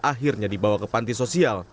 akhirnya dibawa ke panti sosial